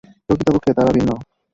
প্রকৃতপক্ষে তারা ভিন্ন।